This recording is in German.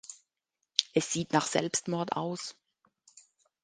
Es sieht nach Selbstmord aus.